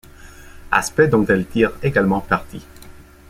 Aspects dont elle tire également parti.